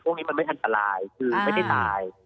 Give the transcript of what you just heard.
พวกนี้มันไม่อันตรายคือไม่ได้ตาย